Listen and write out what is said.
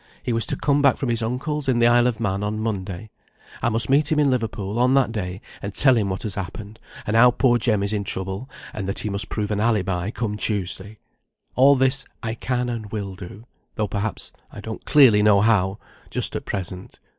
He was to come back from his uncle's, in the Isle of Man, on Monday. I must meet him in Liverpool, on that day, and tell him what has happened, and how poor Jem is in trouble, and that he must prove an alibi, come Tuesday. All this I can and will do, though perhaps I don't clearly know how, just at present.